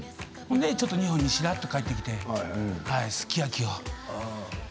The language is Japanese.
日本にしれっと帰ってきてすき焼きを。